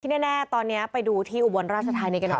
ที่แน่ตอนนี้ไปดูที่อุบวนราชาธารณีกันออก